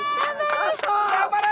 頑張れ！